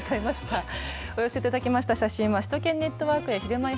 お寄せいただいた写真は首都圏ネットワークやひるまえ